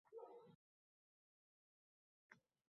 Noiloj oʻzim kir yuvishni oʻrgandim.